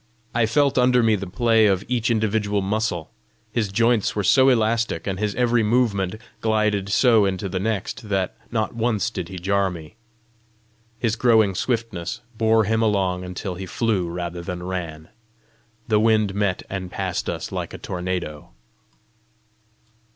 I felt under me the play of each individual muscle: his joints were so elastic, and his every movement glided so into the next, that not once did he jar me. His growing swiftness bore him along until he flew rather than ran. The wind met and passed us like a tornado.